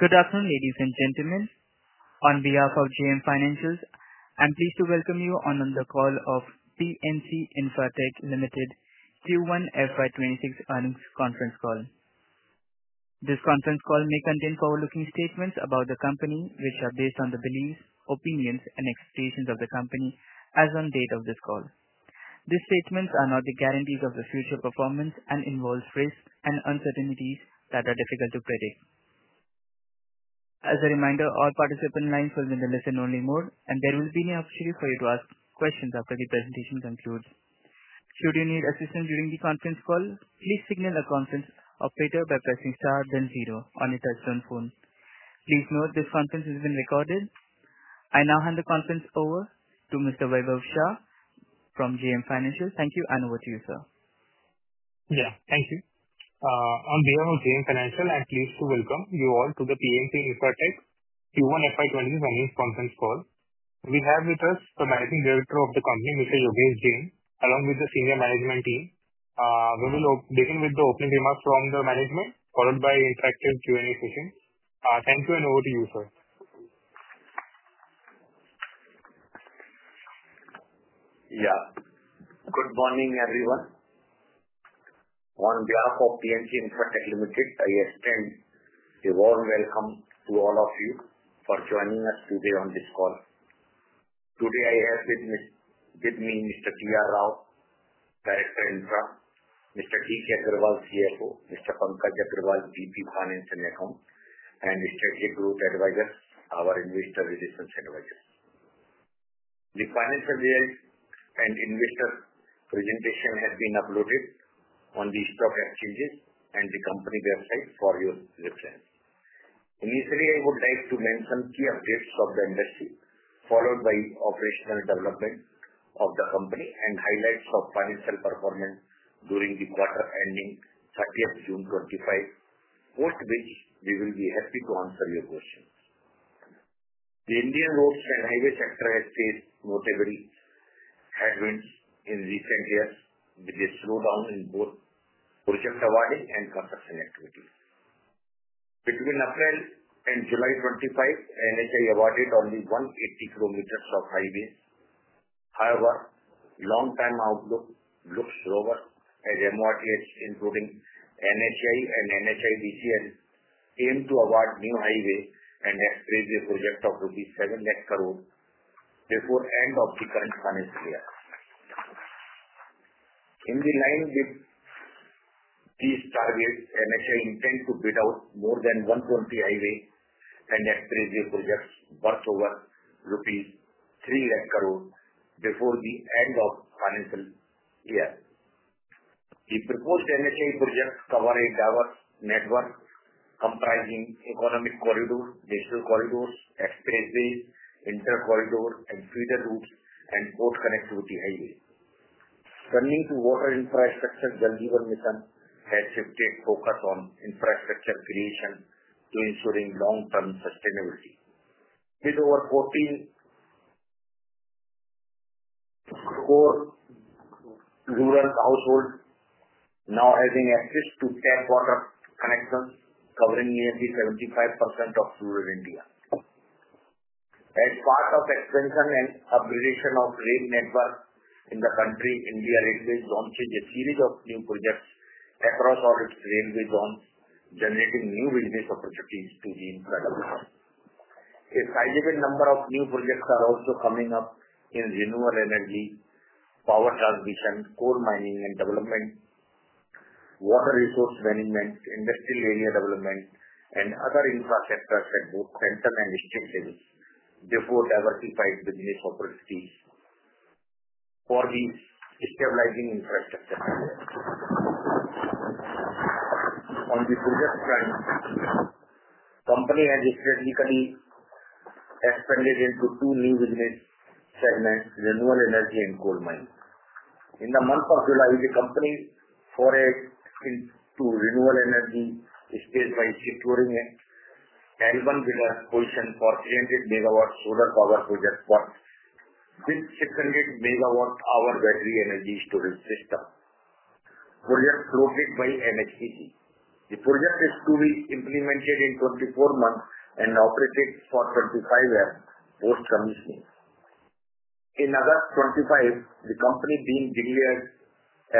Good afternoon, ladies and gentlemen. On behalf of JM Financial, I'm pleased to welcome you on the call of PNC Infratech Ltd., Q1 FY 2026 Earnings Conference Call. This conference call may contain forward-looking statements about the company, which are based on the beliefs, opinions, and expectations of the company as on the date of this call. These statements are not the guarantees of the future performance and involve risks and uncertainties that are difficult to predict. As a reminder, all participants' lines will be in the listen-only mode, and there will be no opportunity for you to ask questions after the presentation concludes. Should you need assistance during the conference call, please signal the conference operator by pressing Star then zero on your touch-tone phone. Please note this conference has been recorded. I now hand the conference over to Mr. Vaibhav Shah from JM Financial. Thank you, and over to you, sir. Thank you. On behalf of JM Financial, I am pleased to welcome you all to the PNC Infratech Q1 FY 2020 earnings conference call. We have with us the Managing Director of the company, Mr. Yogesh Jain, along with the senior management team. We will begin with the opening remarks from the management, followed by a structured Q&A session. Thank you, and over to you, sir. Good morning, everyone. On behalf of PNC Infratech Ltd., I extend a warm welcome to all of you for joining us today on this call. Today, I have with me Mr. Talluri Rao, Vice Chairman (Infra), Mr. D. Agarwal. CFO, Mr. Pankaj Agarwal, Vice President (Finance & Accounts), and Mr. Jay Gurudeva, our Investor Business Advisor. The financial data and investor presentation have been uploaded on the stock exchanges and the company website for your reference. Initially, I would like to mention key updates from the industry, followed by operational developments of the company and highlights of financial performance during the quarter ending June 30, 2025. We will be happy to answer your questions. The Indian roads and highway sector has faced notable headwinds in recent years, with a slowdown in both project awarding and concession activities. Between April and July 2025, NHAI awarded only 180 km of highways. However, long-term outlook looks slower, as ministries, including NHAI and NHAI DCL, aim to award new highways and expand the project of INR 7 million before the end of the current financial year. In line with these targets, NHAI intends to build out more than 140 highways and expand the project's workload to rupees 3 lakh million before the end of the financial year. The proposed NHAI projects cover a diverse network comprising economic corridor, digital corridor, expansion, inter-corridor, feeder route, and port connectivity highway. Stemming to water infrastructure, the delivery mission has shifted focus on infrastructure creation to ensure long-term sustainability. These over 14 crore rural households now have at least two 10-quarter connections covering nearly 75% of rural India. As part of expansion and upgradation of rail networks in the country, India is launching a series of new projects across all its railway zones, generating new business opportunities to the infrastructure. A significant number of new projects are also coming up in renewable energy, power transmission, coal mining and development, water resource management, industry area development, and other infrastructures in both central and districts before diversified business opportunities. Four means stabilizing infrastructure. On the project's planning component, the company has significantly expanded into two new business segments: renewable energy and coal mining. In the month of July, the company's foray into renewable energy is taken by securing an L1 position for 300 megawatt solar power project for its 600 megawatt-hour battery energy storage system. The project is located by NFC. The project is to be implemented in 24 months and operated for 25 years post-commissioning. In August 2025, the company deemed delayed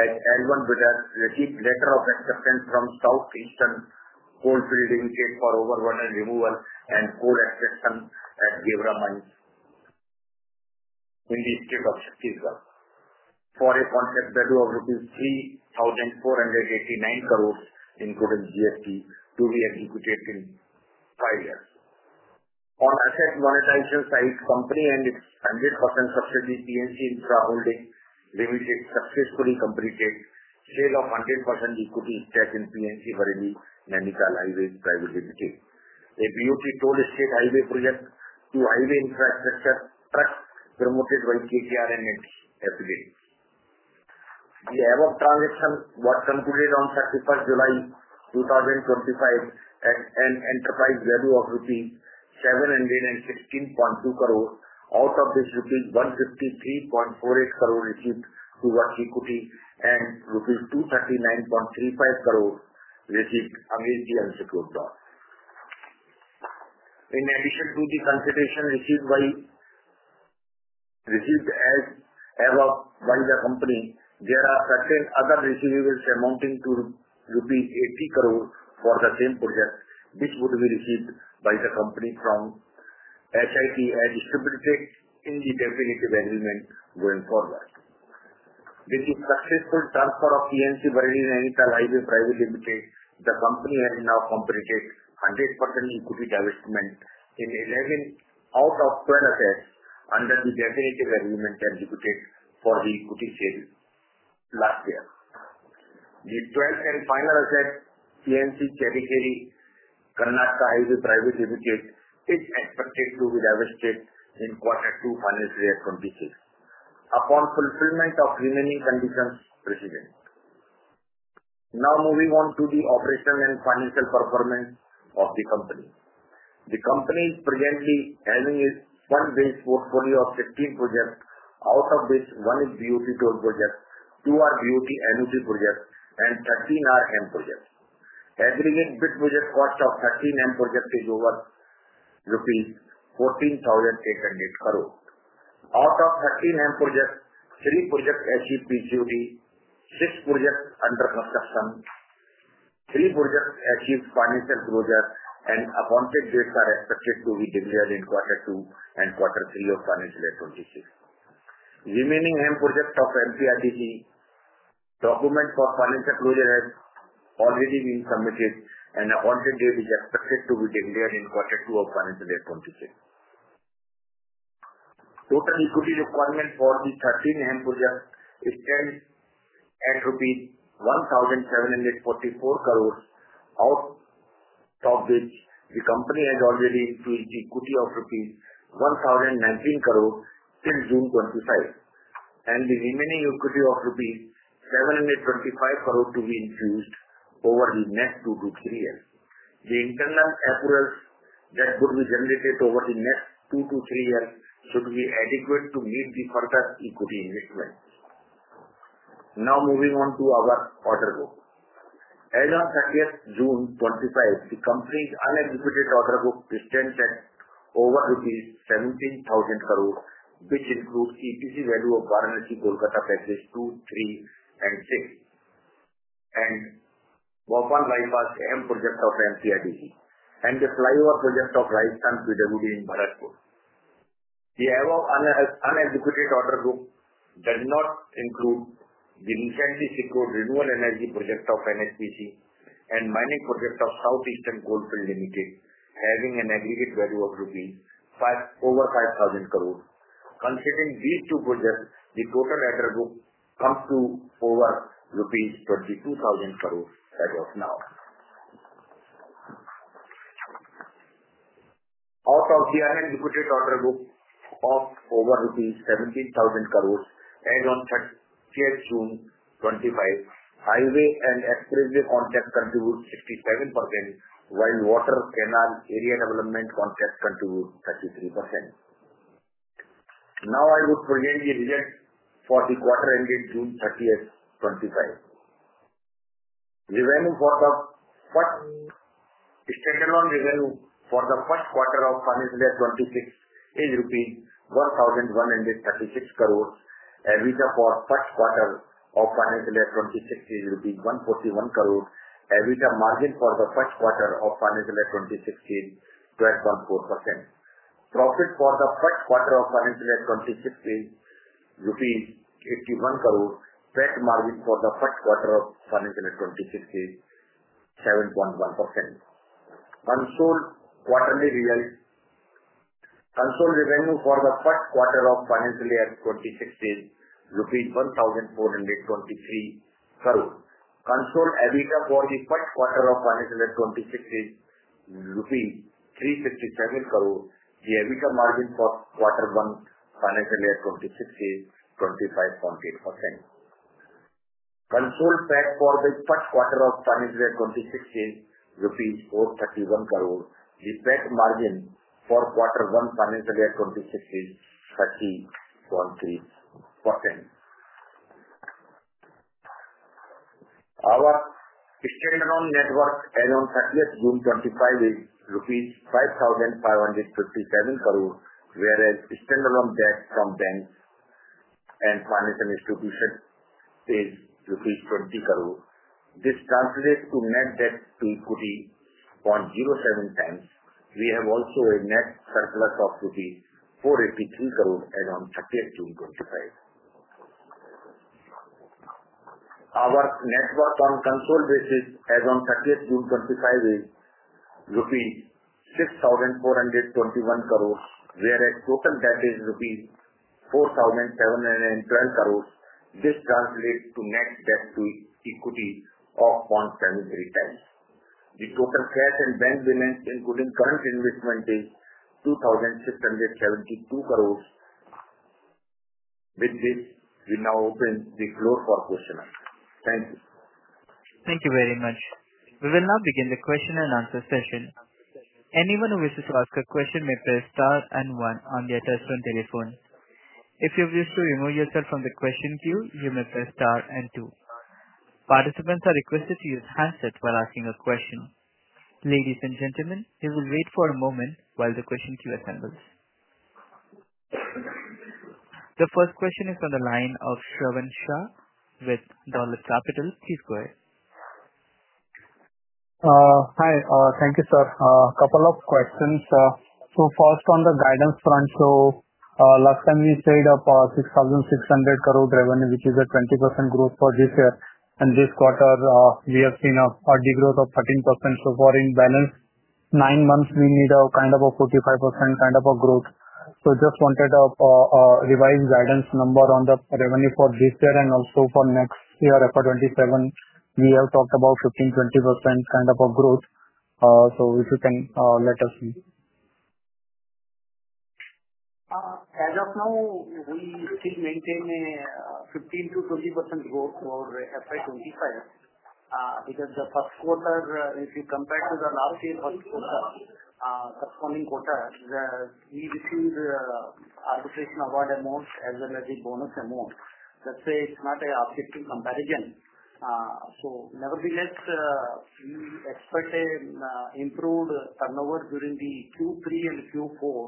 as L1 projects received letters of acceptance from South Eastern Coalfields Ltd for overburden removal and coal acquisition at Devra Mines in the state of Chhattisgarh. Foray contracts value of rupees 3,489 crore including GST to be executed in five years. On asset valuation side, the company and its 100% subsidiary PNC Infra Holdings demonstrate successfully completed sale of 18% equity shares in PNC Holdings and Infra Library by the DBT. A BOT toll-associated highway project to Highways Infrastructure Trust promoted by KKR and its affiliates. The amount of transactions were completed on 31st July 2025 at an enterprise value of rupees 716.2 crore. Out of this, rupees 153.48 crore received through equity and rupees 239.35 crore received amid the unsecured loss. In addition to the consideration received as amount by the company, there are certain other receivables amounting to 80 crore for the same project. This would be received by the company from SIP and distributed in the purchase agreement going forward. With the successful transfer of PNC Value and Infra Library Private Ltd, the company has now completed 100% equity divestment in 11 out of 12 assets under the purchase agreement executed for the equity sale last year. The 12th and final asset, CNC Territory Karnataka Private Ltd, is expected to be divested in quarter two financial year 2026 upon fulfillment of remaining conditions, proceeding. Now moving on to the operational and financial performance of the company. The company is presently having a fund-based portfolio of 15 projects. Out of this, one is BOT toll project, two are BOT NOC projects, and 13 are HAM projects. Aggregate bid project cost of 13 HAM projects is over rupees 14,600 crore. Out of 13 HAM projects, three projects achieved PCOD, six projects under construction, three projects achieved financial closure, and appointed dates are expected to be delivered in quarter two and quarter three of financial year 2026. The remaining HAM projects of NHAI, documents for financial closure have already been submitted, and appointed date is expected to be delivered in quarter two of financial year 2026. Total equity requirements for all 13 HAM projects stand at INR 1,744 crore. Out of this, the company has already infused the equity of rupees 1,019 crore since June 2025, and the remaining equity of rupees 725 crore to be infused over the next two to three years. The internal accruals that would be generated over the next two to three years should be adequate to meet the further equity investment. Now moving on to our order book. As of June 2025, the company's unexecuted order book stands at over rupees 17,000 crore, which includes EPC value of RNC Kolkata phases II, III, and VI, and Varanasi Lucknow HAM project of NHAI, and the flyover project of Rajasthan PWD in Bharatpur. The amount of unexecuted order book does not include the recently secured renewable energy project of NTPC and mining projects of South Eastern Coalfields Ltd., having an aggregate value of over 5,000 crore rupees. Considering these two projects, the total order book comes to over rupees 22,000 crore as of now. Out of the unexecuted order book of over rupees 17,000 crore, as of June 2025, highway and expressway contracts are at 67%, while water, canals, area development contracts are at 33%. Now I will present the results for the quarter ending June 30, 2025. The revenue for the first quarter of financial year 2026 is rupees 1,136 crore, and EBITDA for the first quarter of financial year 2026 is rupees 141 crore. EBITDA margin for the first quarter of financial year 2026 is 12.4%. Profit after tax for the first quarter of financial year 2026 is rupees 81 crore. PAT margin for the first quarter of financial year 2026 is 7.1%. Standalone quarterly revenue for the first quarter of financial year 2026 is INR 1,423 crore. Standalone EBITDA for the first quarter of financial year 2026 is rupees 357 crore. The EBITDA margin for quarter one financial year 2026 is 25.8%. Standalone PAT for the first quarter of financial year 2026 is INR 431 crore. The PAT margin for quarter one financial year 2026 is 13.6%. Our standalone net worth as of June 2025 is INR 5,557 crore, whereas standalone debt from banks and financial institutions is INR 20 crore. This translates to net debt-to-equity of 0.07. We have also a net surplus of INR 482 crore as of June 2025. Our net worth on standalone basis as of June 2025 is INR INR 6,421 crore, whereas total debt is INR 4,712 crore. This translates to net debt-to-equity of 1.3x. The total cash and bank balance, including current investment, is 2,672 crore. With this, we now open the floor for questions. Thank you. Thank you very much. We will now begin the question and answer session. Anyone who wishes to ask a question may press star and one on the attached telephone. If you wish to remove yourself from the question queue, you may press star and two. Participants are requested to use handsets while asking a question. Ladies and gentlemen, we will wait for a moment while the question queue assembles. The first question is on the line of Shravan Shah, Dolat Capital. Please go ahead. Hi. Thank you, sir. A couple of questions. First, on the guidance front, last time we stated 6,600 crore revenue, which is a 20% growth for this year. This quarter, we have seen a hard growth of 13%. In balance, nine months, we need a kind of a 45% kind of a growth. I just wanted a revised guidance number on the revenue for this year and also for next year. For 2027, we have talked about 15%-20% kind of a growth. If you can let us know. As of now, we received 19%, 15%-20% growth for FY 2025. Because the first quarter, if you compare the last year also, the corresponding quarter, that we received an artificial award amount as well as a bonus amount. That's a matter of comparison. Nevertheless, we expect an improved turnover during the Q3 and Q4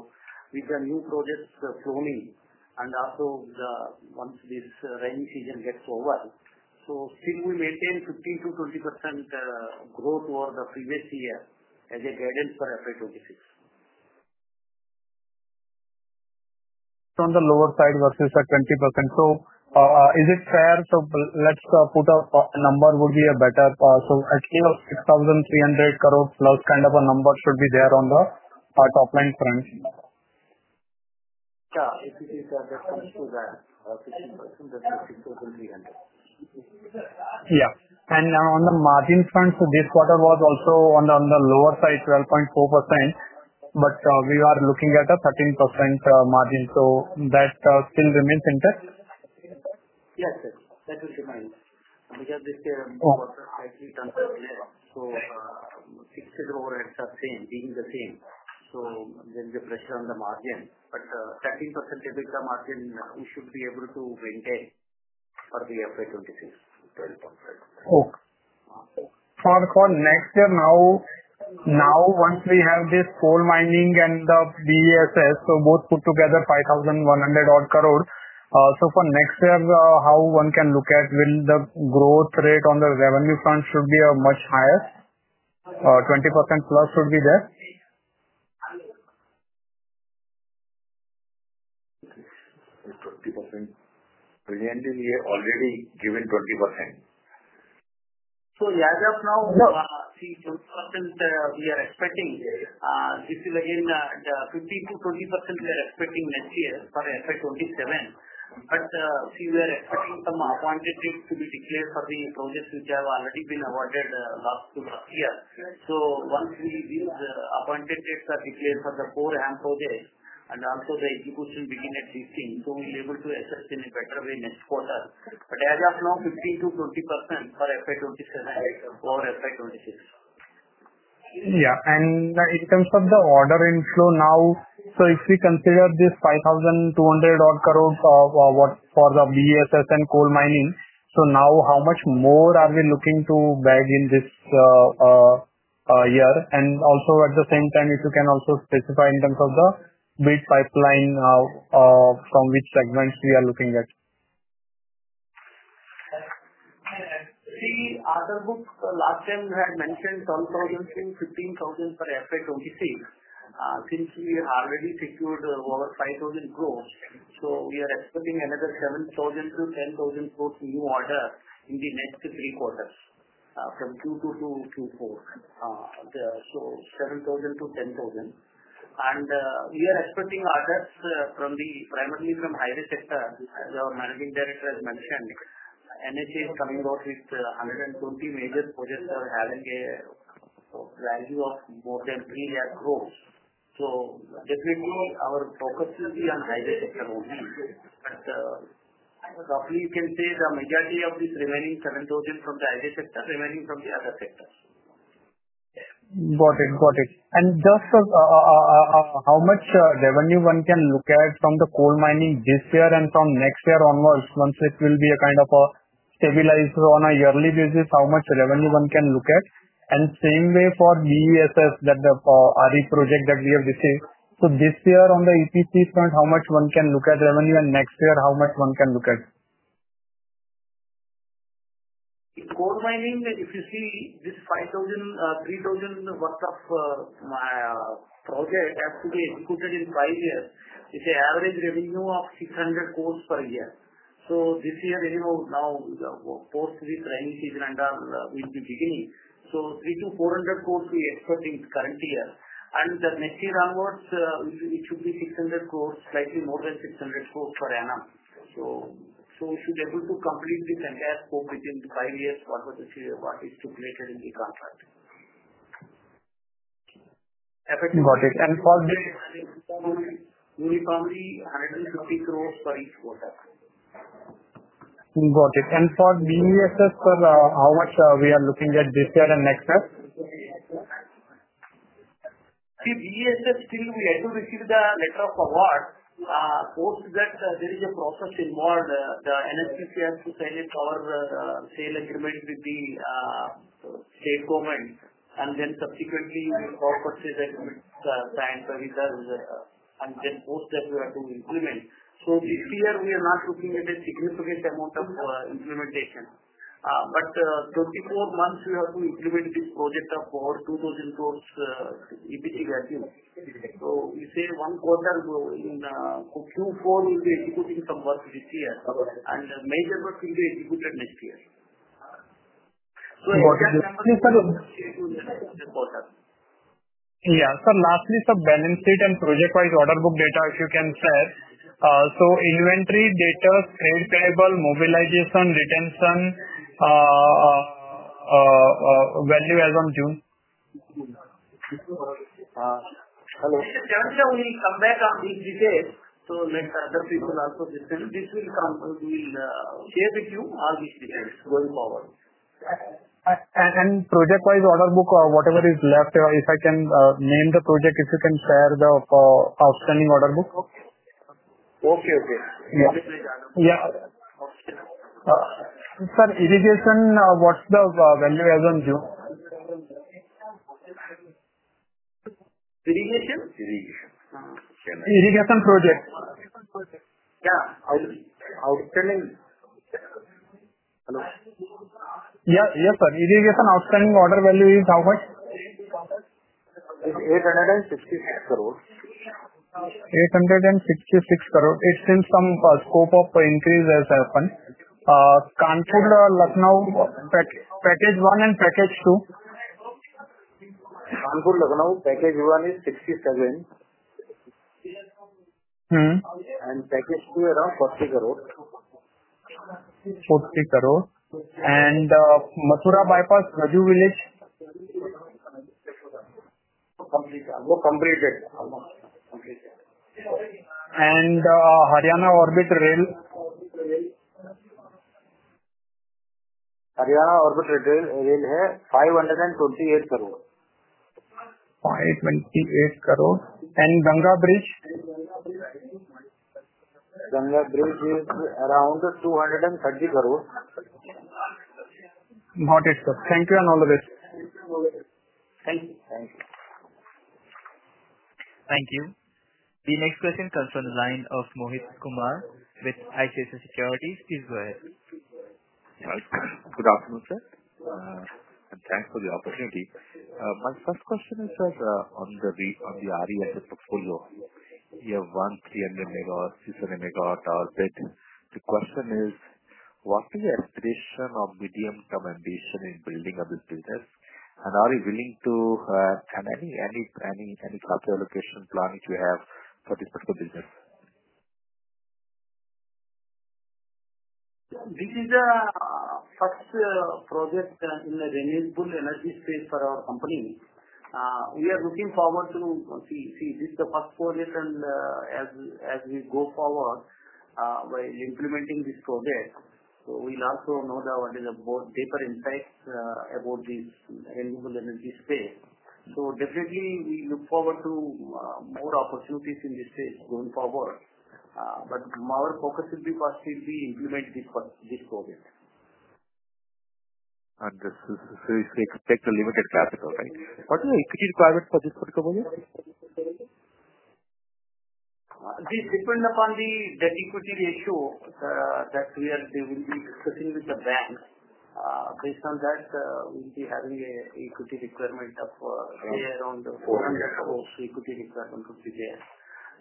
with the new projects flowing and also once this rainy season gets over. Still, we maintain 15%-20% growth over the previous year as a guidance for FY 2026. On the lower side versus the 20%. Is it fair? Let's put a number, would be better. I think 6,300 crore plus kind of a number could be there on the topline front. Yeah, if you are referring to that, I think that's INR 6,300 million. On the margins front, this quarter was also on the lower side, 12.4%. We are looking at a 13% margin. The rest still remains intact. Yes, sir. Let me remind you. We got this year over the IT transfer. The fixed overheads are the same, being the same. There is a pressure on the margin. The 13% EBITDA margin, we should be able to maintain for the FY 2026 12%. For next year, now once we have this coal mining and the BESS, both put together 5,100 crore. For next year, how one can look at when the growth rate on the revenue front should be much higher? 20% plus would be there. Okay. 20%. Presently, we are already given 20%. As of now, see 2% we are expecting. This is again the 15%-20% we are expecting next year for FY 2027. We were expecting some appointed dates to be declared for the projects which have already been awarded last year. Once we review the appointed dates that we cleared for the core M projects and also the execution beginning at 15, we'll be able to assess in a better way next quarter. As of n ow, 15%-20% for FY 2027 or FY 2026. It comes from the order inflow now. If we consider this 5,200 crore for the battery energy storage system and coal mining, how much more are we looking to bag in this year? At the same time, if you can also specify in terms of the bridge pipeline from which segments we are looking at. The order book, last time you had mentioned 12,000, 15,000 for FY 2026. Since we are already secured over 5,000 growth, we are expecting another 7,000-10,000 growth new order in the next three quarters, from Q2 to Q4. There are 7,000-10,000. We are expecting others primarily from the highway sector. Our Managing Director has mentioned it. It is coming out with 120 major projects that are having a value of more than three year growth. Definitely, our focus will be on highway sector only. Roughly, you can say the majority of this remaining 7,000 from the highway sector, remaining from the other sectors. Got it. Got it. Just, how much revenue one can look at from the coal mining this year and from next year onwards once it will be a kind of a stabilized on a yearly basis, how much revenue one can look at? The same way for BESS, that the RE project that we have received, this year on the EPP front, how much one can look at revenue and next year, how much one can look at? In coal mining, if you see this 5,000, 3,000 worth of projects have to be included in five years, it's an average revenue of 600 crore per year. This year, you know now, post this rainy season and our EPP beginning, 300-400 crore we expect in this current year. The next year onwards, it should be 600 crore, slightly more than 600 crore for annual. If we're able to complete this entire scope within five years, whatever this year is calculated in the contract, FX. Got it. For. We probably have INR 50 crore per each quarter. Got it. For BESS, how much we are looking at this year and next year? See, BESS, still we have to receive the letter of award. Post that, there is a process involved. The NFCC has to sign it or sale agreement with the state government. Subsequently, we'll process it with the client very well. After that, we have to be implemented. This year, we are not looking at a significant amount of implementation. In 24 months, we have to implement this project of over 2,000 crore EPC revenue. You say one quarter in the Q4, we'll be executing some work this year, and the major work will be executed next year. Got it. Yeah. Lastly, some balance sheet and project-wise order book data, if you can, sir. Inventory data, scale payable, mobilization, retention, value as of June. Sorry. Can we only come back on these details? Next time, if you could ask for this, this will come on the PF issue on these details going forward. Project-wise order book, whatever is left, if I can name the project, if you can pair the outstanding order book? Okay. Okay. Yeah. Yeah. Sir, irrigation, what's the value as of June? Irrigation? Irrigation project. Yeah. Outstanding. Hello? Yeah. Yes, sir. Irrigation outstanding order value is how much? It's INR 866 crore. 866 crore. It sends some scope of increase as happened. Kanpur, Lathnaur, package one and package two. Kanpur, Lathnaur, package one is INR 67 crore and package two is INR 40 crore. It's INR 40 crore. Matsura bypass, Raju Village? Complete. Haryana Orbit Rail? Haryana Orbit Rail is INR 528 crore. INR 528 crore. Ganga Bridge? Ganga Bridge is around INR 230 crore. Got it, sir. Thank you and all the best. Thank you. Thank you. The next person comes from the line of Mohit Kumar with ICICI Securities. Please go ahead. Yes, sir. Good afternoon, sir, and thanks for the opportunity. My first question is on the renewable energy asset portfolio. You have 1,300 megawatts, 600 megawatt output. The question is, what is your estimation of medium-term ambition in building up this business? Are you willing to have any capital allocation plan if you have 40% business? This is the first project in the renewable energy space for our company. We are looking forward to see this portfolio. As we go forward, by implementing this project, we'll also know what is a deeper insights about this renewable energy space. We look forward to more opportunities in this space going forward, but our focus will be partially implement this project. Understood. You expect a limited cash flow, right? What is the equity requirement for this portfolio? This depends upon the debt equity ratio that we are going to be discussing with the banks. Based on that, we'll be having an equity requirement of around INR 400 crore equity requirement per year,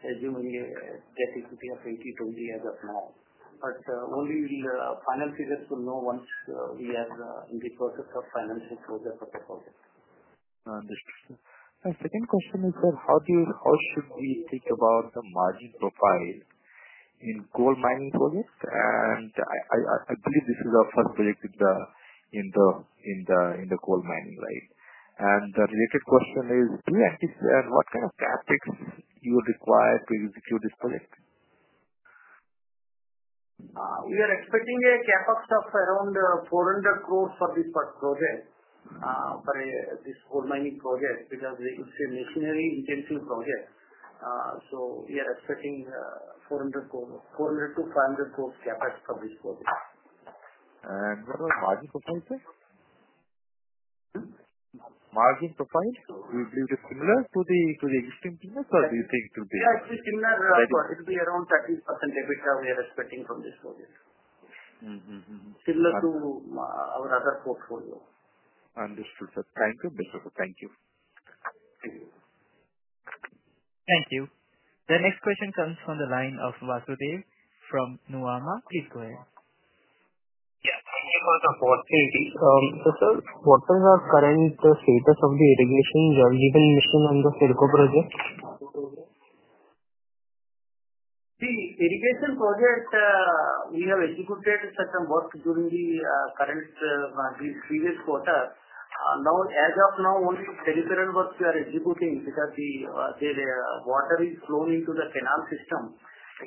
assuming a debt equity of 20:20 as of now. Only the finance leaders will know once we are in the process of financing for the portfolio. Understood. My second question is, sir, how do you also think about the margin profiles in coal mining projects? I believe this is our first project in the coal mining, right? The related question is, do you anticipate what kind of tactics you will require to execute this project? We are expecting a capex of around 400 crore for this project, for this coal mining project because it's an engineering intensive project. We are expecting 400-500 crore capex for this project. What about margin profile? Margin profile? Will it be similar to the existing teams, or do you think it will be? Yeah, it will be similar. It will be around 30% EBITDA. We are expecting from this project, similar to our other portfolio. Understood, sir. Thank you, Professor. Thank you. Thank you. The next question comes from the line of Vasudev from Nuvama. Please go ahead. Sir, what are the current status of the irrigation you have given initially on the Silco project? See, irrigation project, we have executed certain works during the current, the previous quarter. Now, as of now, only the peripheral works we are executing because the water is flowing into the canal system.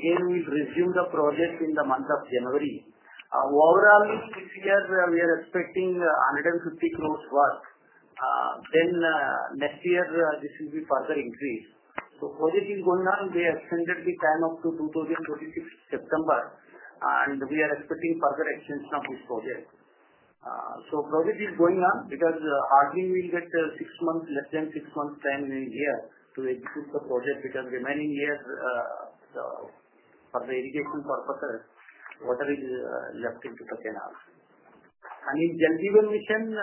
Here we've resumed the projects in the month of January. Overall, this year, we are expecting 150 crore work. Next year, this will be further increased. Project is going on. We are expecting it to be time up to September 2026, and we are expecting further extension of this project. Project is going on because hardly we get six months, less than six months time in a year to execute the project because remaining year for the irrigation purposes, water is left into the canals. In general, we can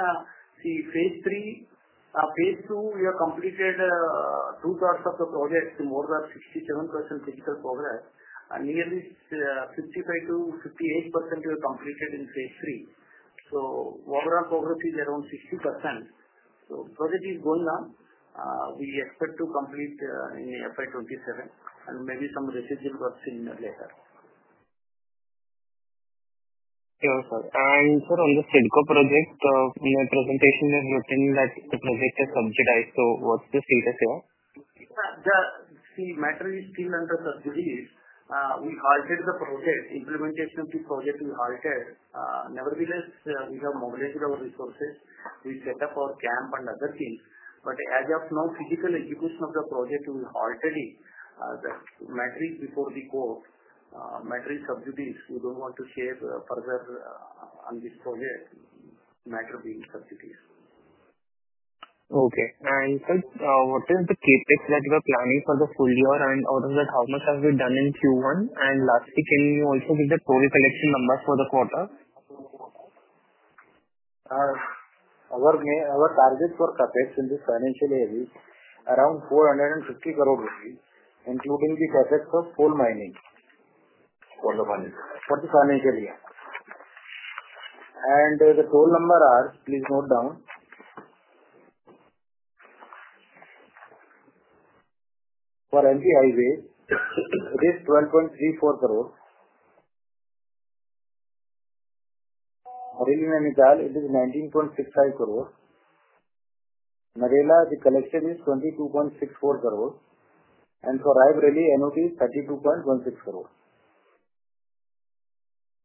see phase three. Phase two, we have completed two-thirds of the projects, more than 67% physical progress. Nearly 55%-58% is completed in phase three. Overall progress is around 60%. Project is going on. We expect to complete in FY 2027 and maybe some residual works in later. Sure, sir. On the Silco project, in the presentation, you're saying that the project is subsidized. What's the status there? See, the matter is still under, sir, which is, we halted the project. Implementation of this project we halted. Nevertheless, we have mobilized our resources. We set up our camp and other things. As of now, physical execution of the project will halt. Any matters before the court. Matter is sub judice. We don't want to share further on this project, matter being sub judice. Okay. What is the KPIs that you are planning for the full year? Out of that, how much have we done in Q1? Lastly, can you also give the total collection numbers for the quarter? Our targets for CapEx in this financial year is around 450 crore, including the projects of coal mining. For the money. For the financial year. The total number is, please note down. For NTI Wave, it is INR 12.34 crore. For Rae Bareli and Narela, it is INR 19.65 crore. Narela, the collection is INR 22.64 crore. For Bareilly, NHAI is INR 32.16 crore.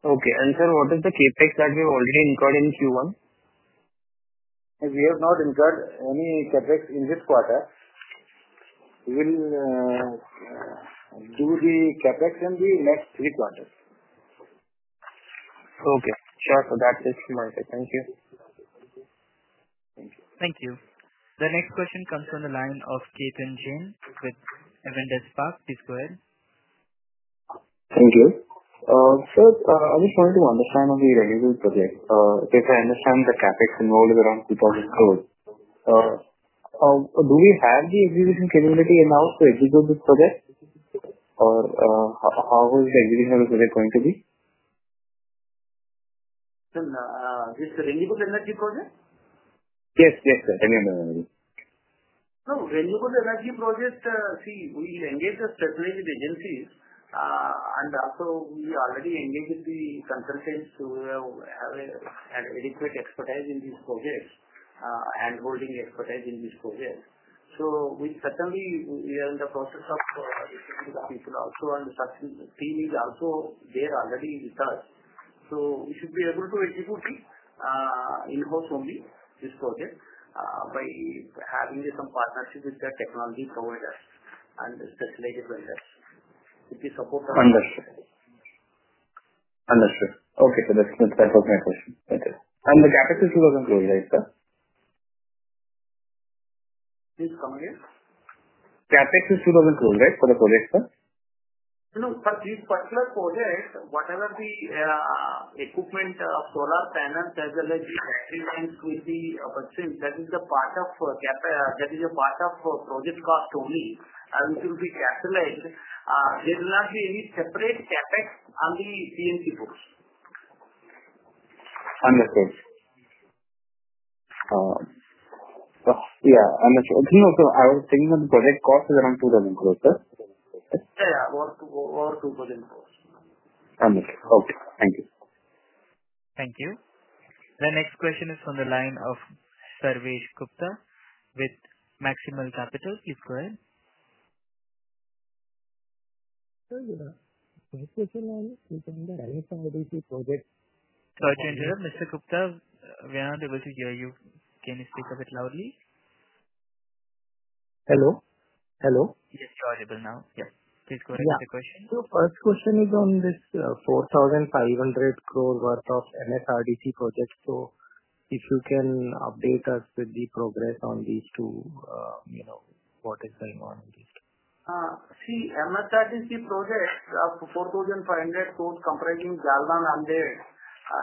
Okay. Sir, what is the KPIs that we already incurred in Q1? We have not incurred any CapEx in this quarter. We will do the CapEx in the next three quarters. Okay. Sure. That is fine. Thank you. Thank you. The next question comes from the line of Ketan Jain with Evandis Park. Please go ahead. Thank you. Sir, I would like to understand on the renewable project. If I understand the CapEx involved is around 2,000 crore. Do we have the execution capability enough to execute this project? How is the execution of the project going to be? This renewable energy project? Yes, yes sir. No, renewable energy project, we engaged a special agency. We already engaged the consultants who have had adequate expertise in this project, hand-holding expertise in this project. We are in the process of, we can also understand the team is also there already with us. We should be able to execute this, in-house only, this project, by having some partnership with the technology providers and special agent vendors. If you support. Understood. Understood. Okay. That's okay. Thank you. The CapEx is INR 2,000 crore, right, sir? Please come again. CapEx is INR 2,000 crore, right, for the project, sir? No, no, sir. This particular project, whatever the equipment, solar panels that we went through the options, that is a part of project cost only. Until we cash flow, there will not be any separate CapEx. Only CNC box. Understood. On the short term, I was thinking that the project cost is around 2,000 crore, sir? Yeah, yeah, over 2,000 crore. Understood. Okay, thank you. Thank you. The next question is from the line of Survey Gupta with Maximal Capital. Please go ahead. Yes, sir. Please make your noise. We can hear anything about this project. Sorry to interrupt, Mr. Gupta. We are not able to hear you. Can you speak a bit loudly? Hello. Hello. Yes, you are able now. Please go ahead with the question. The first question is on this 4,500 crore worth of NSRDT project. If you can update us with the progress on these two, you know, what is going on with these two? See, I'm not charging three projects. INR 4,500 crore compared to Jalvan and the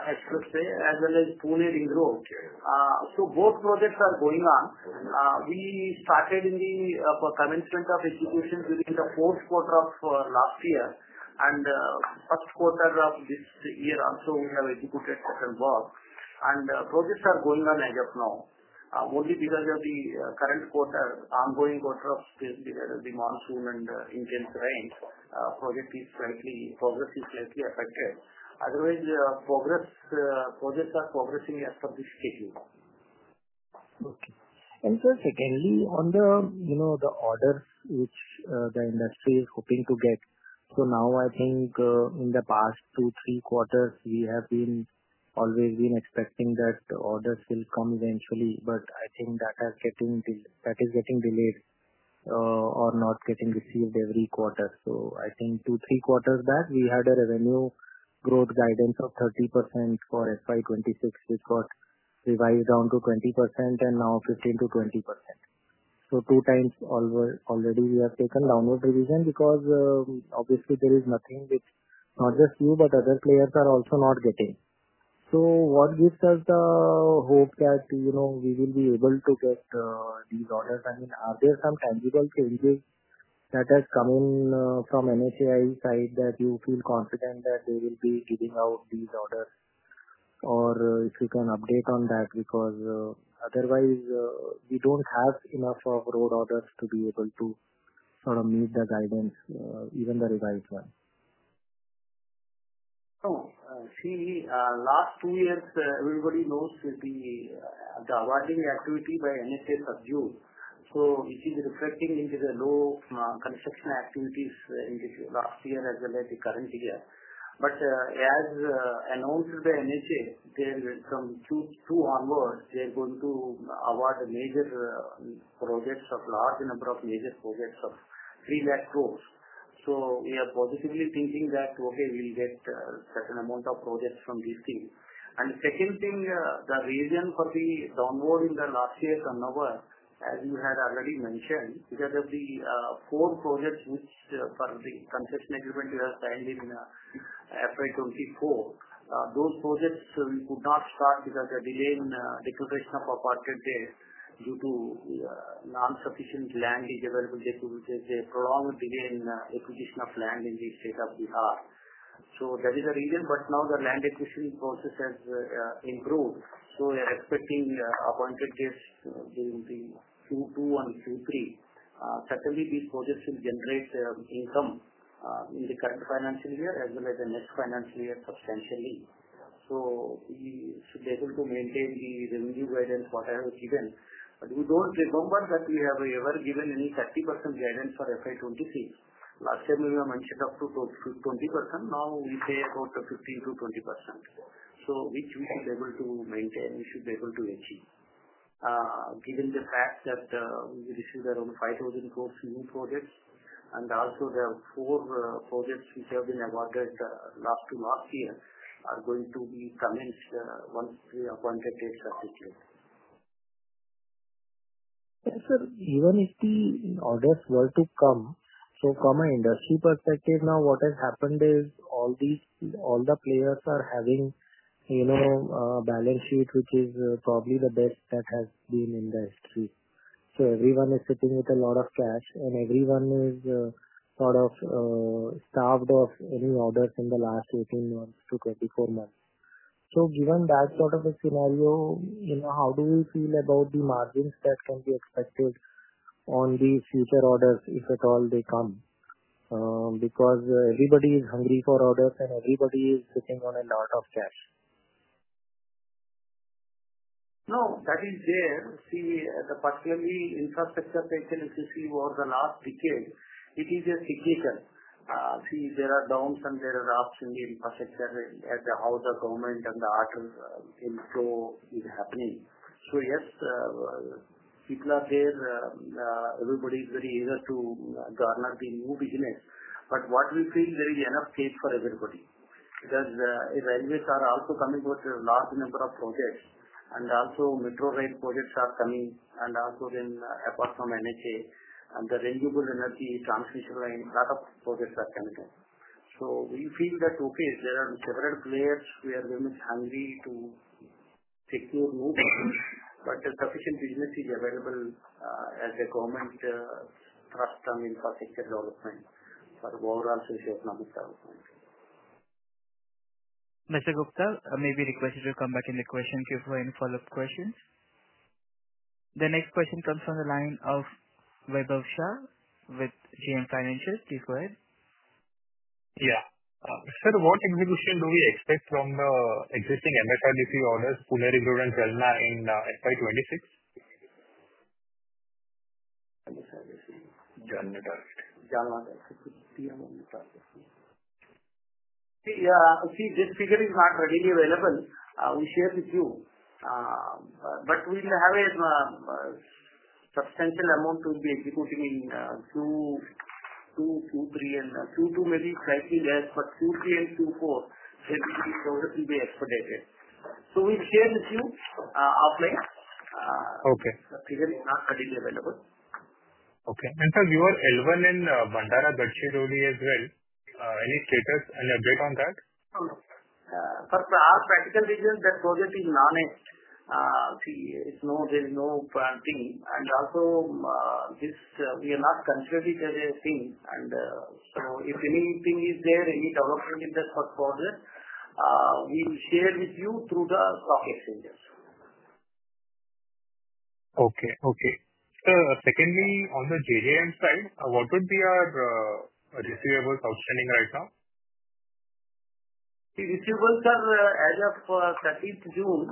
expressway as well as Pune Ring Road. Both projects are going on. We started the commencement of execution in the fourth quarter of last year. The first quarter of this year also, we have executed several work. Projects are going on as of now. Only because of the current quarter, ongoing quarter of the monsoon and the intense rain, project is slightly progress is affected. Otherwise, progress, projects are progressing as per the schedule. Okay. Sir, secondly, on the orders which the industry is hoping to get. In the past two, three quarters, we have always been expecting that the orders will come eventually. That is getting delayed, or not getting received every quarter. Two, three quarters back, we had a revenue growth guidance of 30% for FY 2026. It got revised down to 20% and now 15%-20%. Two times already we have taken downward revision because, obviously, there is nothing which not just you, but other players are also not getting. What gives us the hope that we will be able to get these orders? I mean, are there some tangible changes that have come in from NHAI's side that you feel confident that they will be giving out these orders? If you can update on that because, otherwise, we don't have enough of road orders to be able to sort of meet the guidance, even the revised one. Oh, see, the last two years, everybody knows the awarding activity by NHAI subdued. It is reflecting into the low construction activities in this last year as well as the current year. As announced by NHAI, from Q2 onward, they're going to award major projects of large number of major projects of 3 lakh crore. We are positively thinking that, okay, we'll get a certain amount of projects from this team. The second thing, the reason for the downward in the last year's number, as you had already mentioned, because of the four projects which per the construction agreement were signed in FY 2024, those projects we could not start because of the delay in the deposition of our partners there due to the non-sufficient land is available. There is a problem in acquisition of land in the state of Bihar. That is the reason. Now the land acquisition process has improved. We are expecting appointed dates during Q2 and Q3. These projects will generate income in the current financial year as well as the next financial year substantially. We should be able to maintain the revenue guidance whatever given. We don't remember that we have ever given any 30% guidance for FY 2026. Last year, maybe I mentioned up to 20%. Now we say about 15%-20%, which we should be able to maintain, which we should be able to achieve, given the fact that we received around 5,000 crore new projects and also the four projects which have been awarded last to last year are going to be coming once the appointed dates are secured. Sir, even if the orders were to come, from an industry perspective, what has happened is all the players are having, you know, a balance sheet, which is probably the best that has been in the industry. Everyone is sitting with a lot of cash, and everyone is sort of starved of any orders in the last 18 months to 24 months. Given that sort of a scenario, you know, how do you feel about the margins that can be expected on the future orders if at all they come? Because everybody is hungry for orders, and everybody is sitting on a lot of cash. No, that is there. See, particularly infrastructure takes a decision over the last decade. It is cyclical. There are downs and there are ups in the infrastructure as to how the government and the articles inflow is happening. Yes, people are there. Everybody is ready to garner the new business. What we feel is there is enough space for everybody because the NGOs are also coming with a large number of projects. Also, metro rail projects are coming. Apart from NHAI, the renewable energy transmission line, a lot of projects are coming up. We feel that, okay, there are several players who are very much hungry to secure movers, but sufficient business is available as the government trusts on infrastructure development for the overall stage of public health. Mr. Gupta, may we request you to come back in the question queue for any follow-up questions? The next question comes from the line of Vaibhav Shah with JM Financial. Please go ahead. Yeah. Sir, what execution do we expect from the existing MSRDC orders, Pune Ring Road and Jalna, in FY 2026? Let's see a moment for this. This figure is not readily available. I will share it with you, but we'll have a substantial amount to be executed in Q2 and Q3. There are too many facts in there for Q3 and Q4 since it's a property-based project. We'll share it with you. The figure is not readily available. Okay. Sir, you are L1 in Bandara Garchik Road as well. Any status and update on that? No, for our practical reasons, that project is non-S. See, it's not really no plan thing. We are not considering it as a thing. If anything is there, any development in that project, we will share it with you through the stock exchanges. Okay. Sir, secondly, on the JJM side, what would be our receivables outstanding right now? See, if you go, sir, as of 30th June,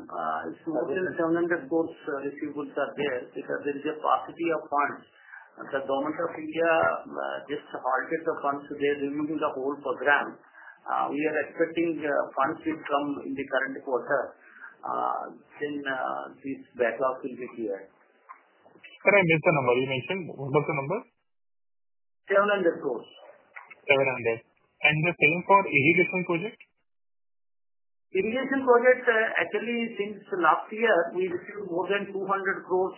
it's more than 700 crore receivables are there. Because there is a paucity of funds, the Government of India just halted the funds today, removing the whole program. We are expecting funds to come in the current quarter since this backlog will be cleared. Can I get the number you mentioned? What was the number? 700 crores. 700. The same for irrigation projects? Irrigation projects, actually, since last year, we received more than 200 crore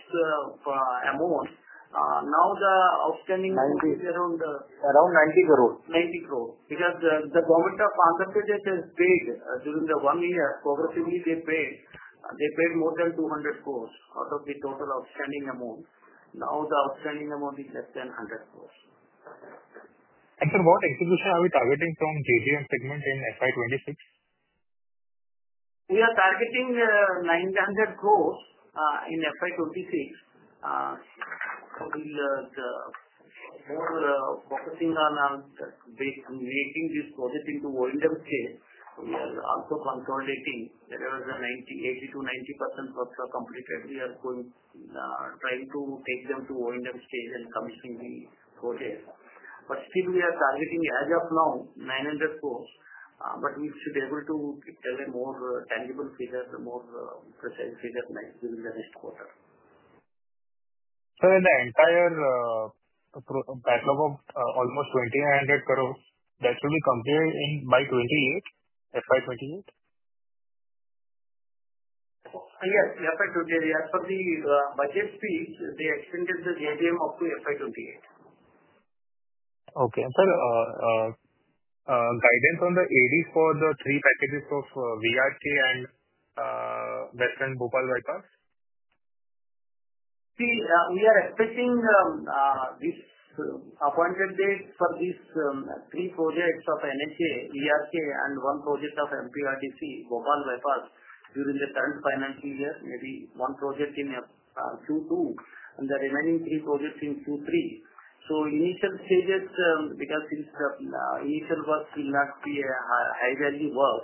amount. Now the outstanding is around. Around 90 crore. 90 crore. Because the Government of Africa just has paid during the one year, progressively they paid. They paid more than 200 crore out of the total outstanding amount. Now the outstanding amount is less than 100 crore. What execution are we targeting from JJM segment in FY 2026? We are targeting 900 crore in FY 2026. We are more focusing on making this project into a window stage. We are also consolidating the rest of the 80%-90% works are completed. We are going trying to take them to a window stage and commissioning the projects. We are targeting as of now 900 crore. We should be able to tell a more tangible figure, more precise figure next quarter. Sir, the entire backlog of almost 2,900 crore, that will be completed by FY 2028? Yes, FY 2028. As per the budget space, the extension is scheduled up to FY 2028. Okay. Sir, a guidance on the appointed dates for the three packages of VRK and VPAL Vipass? See, we are expecting this appointed date for these three projects of NHAI, VRK, and one project of MPRTC, VPAL Vipass, during the current financial year. Maybe one project in Q2 and the remaining three projects in Q3. These initial stages because these initial works will not be highly well.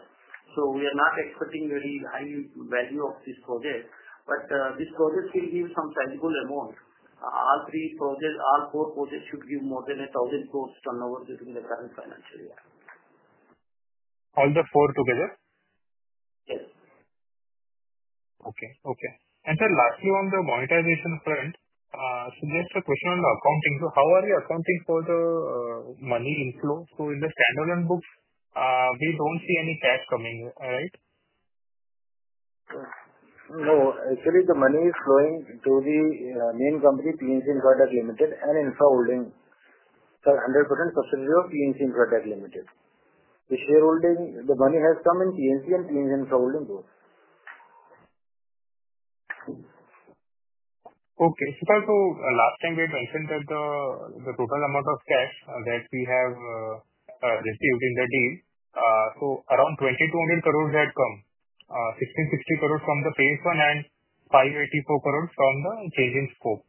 We are not expecting very high value of this project. This project will give some tangible amount. Our three projects, our four projects should give more than 1,000 crore turnover during the current financial year. All the four together? Yes. Okay. Okay. Lastly, on the monetization front, there's a question on the accounting. How are you accounting for the money inflow? In the standalone book, we don't see any cash coming, right? No, actually, the money is flowing through the main company, PNC Infratech Ltd and PNC Infra Holdings. Sir, 100% custodial of PNC Infratech Ltd. If we are holding, the money has come in PNC and PNC Infra Holdings also. Okay. Sir, last time we mentioned that the total amount of cash that we have received in the deal, around 2,200 crore had come, 1,660 crore from the PACE fund and 584 crore from the changing scope.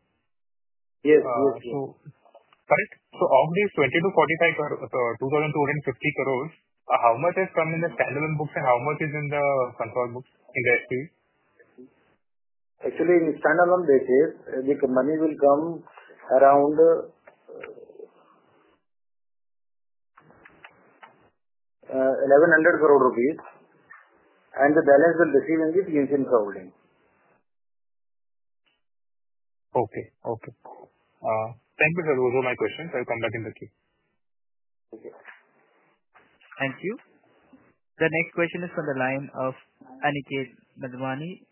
Yes, yes. Of these 2,245, 2,250 crores, how much has come in the standalone books and how much is in the control books in the S3? Actually, in standalone basis, the money will come around INR 1.1 billion. The balance will be seen in PNC Infra Holdings. Okay. Thank you, sir. Those were my questions. I'll come back in the queue. Thank you. The next question is from the line of Anikesh Nagamani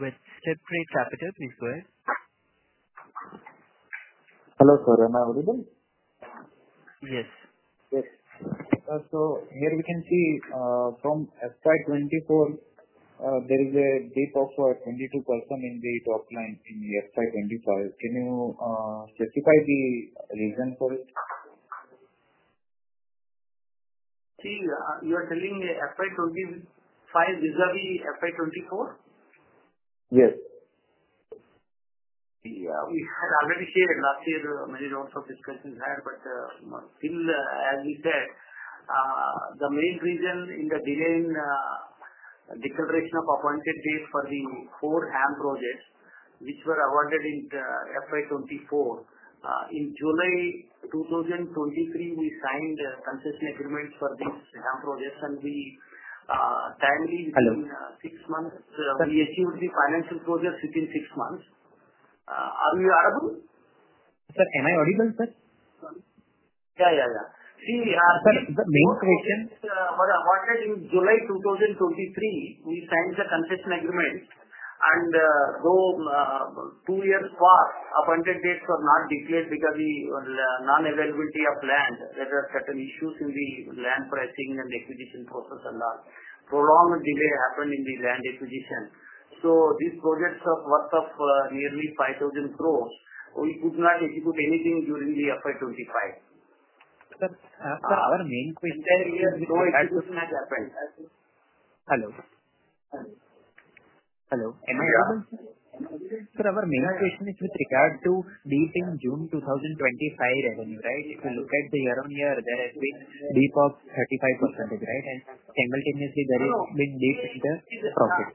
with Sitpreet Capital. Please go ahead. Hello, sir. Am I audible? Yes. Yes. Here we can see, from FY 2024, there is a dip of 22% in the topline in FY 2025. Can you specify the reason for it? See, you're saying the FY 2025 is not the FY 2024? Yes. We have already shared last year many notes of discussions there. As we said, the main reason in the delay in declaration of appointed dates for the four HAM projects, which were awarded in FY 2024, in July 2023, we signed the concrete implements for these HAM projects. We timed it six months. We achieved the financial projects within six months. Are you audible? Sir, am I audible? Yeah, yeah, yeah. See, sir, the new projects were awarded in July 2023. We signed the construction agreement. Though two years passed, appointed dates were not declared because of the non-availability of land. There were certain issues with the land pricing and the acquisition process and all. Prolonged delay happened in the land acquisition. These projects are worth nearly 5,000 crore. We could not execute anything during the FY 2025. Sir, our main question is, you know, that question has happened. Hello. Hello. Am I? Sir, our main question is with regard to dip in June 2025 revenue, right? If you look at the year-on-year, there has been a dip of 35%, right? Simultaneously, there has been a dip in the profit.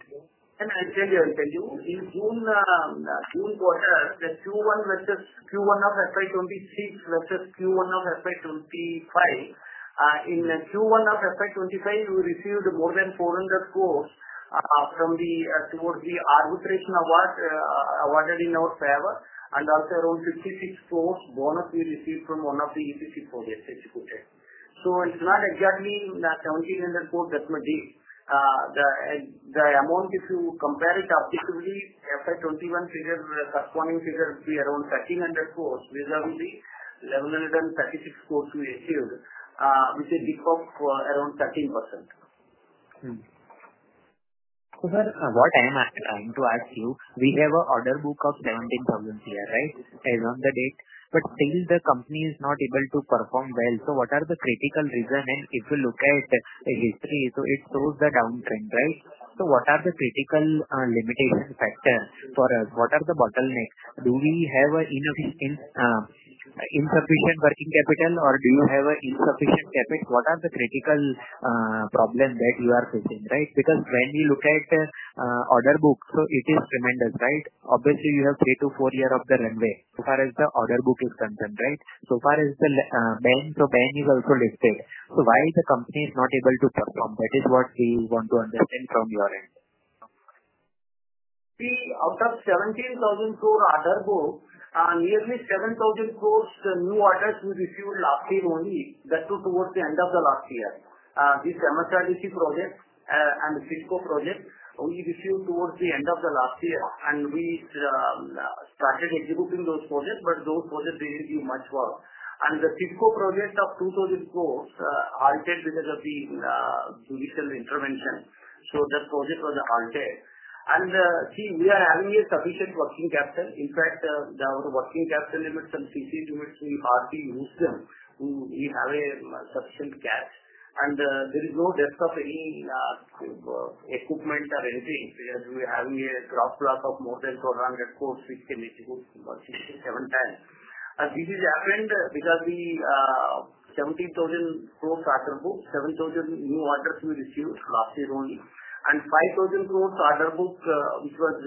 Actually, in the June quarter, Q1 FY 2026 versus Q1 FY 2025, in Q1 FY 2025, we received more than 400 crore towards the Arbitration Award awarded in our favor. Also, around 64 crore bonus we received from one of the EPC projects. It's not exactly 1,700 crore that we did. The amount, if you compare it to the early FY 2021 figures, the corresponding figures would be around 1,300 crore without these. 1,136 crore we achieved, which is a dip of around 13%. Sir, what I want to ask you is, we have an order book of 17,000 crore here, right, as of the date. The company is not able to perform well. What are the critical reasons? If you look at the history, it shows the downtrend, right? What are the critical limiting factors for us? What are the bottlenecks? Do we have insufficient working capital, or do you have insufficient CapEx? What are the critical problems that you are facing, right? When we look at the order book, it is a reminder, right? Obviously, you have three to four years of runway as far as the order book is concerned, right? As far as the bank, the bank is also listed. Why is the company not able to perform? That is what we want to understand from your end. See, out of 17,000 crore order book, nearly 7,000 crore new orders we received last year only. That's towards the end of the last year. This MSRDT project and the Silco project, we received towards the end of the last year. We started executing those projects, but those projects didn't do much well. The Silco project of 2,000 crore halted because of the judicial intervention. That project was halted. We are having sufficient working capital. In fact, our working capital limits and CC limits are being moved on. We have sufficient cash. There is no dearth of any equipment or anything. We are having a crop block of more than 400 crore, which can be executed 60, 70 times. This is happening because the 17,000 crore of the order book, 7,000 crore new orders we received last year only. 5,000 crore order book, which was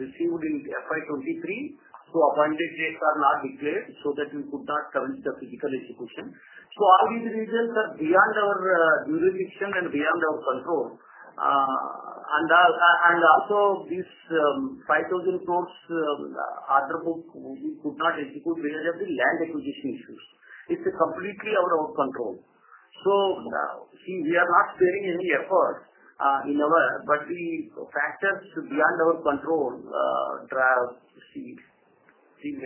received in FY 2023, so appointed dates are not declared so that we could not commit the physical execution. All these reasons are beyond our jurisdiction and beyond our control. Also, this INR 5,000 crore order book, we could not execute because of the land acquisition issues. It's completely out of our control. We are not sparing any effort, but we factored beyond our control, drive seeds. Sir, you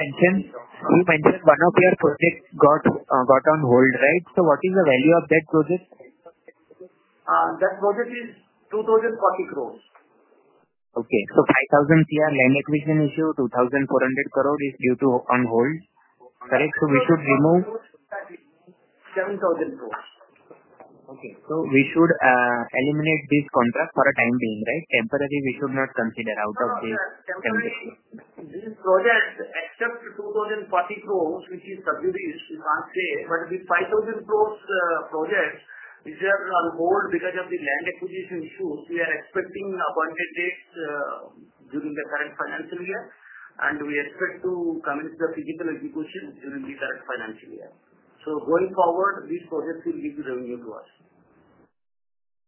mentioned one of your projects got on hold, right? What is the value of that project? That project is 2.04 billion. Okay. ₹5,000 crore land acquisition issue, ₹2,400 crore is due to on hold, correct? We should remove. 7,000. Okay. We should eliminate this contract for the time being, right? Temporarily, we should not consider this temporarily. This project accepts INR 2,040 crore, which is subsidies last year. The INR 5,000 crore project, these are on hold because of the land acquisition issues. We are expecting appointed dates during the current financial year. We expect to commence the physical execution during the current financial year. Going forward, these projects will give revenue to us.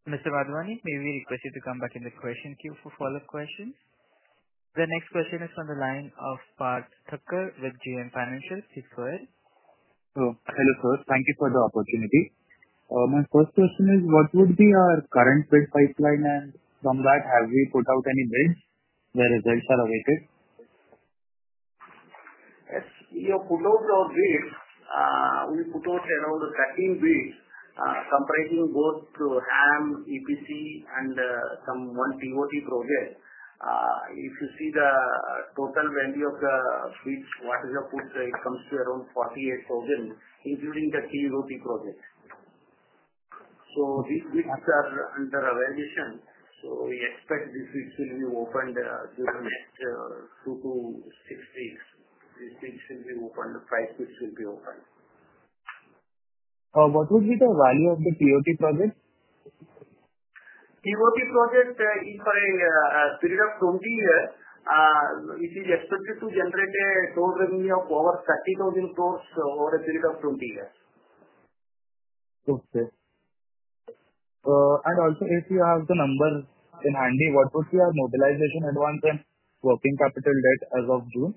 Mr. Vadvani, may we request you to come back in the question queue for follow-up questions? The next question is from the line of Parth Thakkar with JM Financial. Please go ahead. Hello, sir. Thank you for the opportunity. My first question is, what would be our current grid pipeline? From that, have we put out any bids where results are awaited? Yes. We have put out bids, we put out around 13 bids, comprising both HAM, EPC, and some one POT project. If you see the total value of the bids, what you put, it comes to around 48,000, including the POT project. These bids are under evaluation. We expect this is to be opened in Q2 next week. We still should be opened the price question period. What would be the value of the POT project? POT project, equaling a period of 20 years, it is expected to generate a total revenue of over 30,000 crore over a period of 20 years. Okay. If you have the numbers handy, what was your mobilization advance and working capital debt as of June?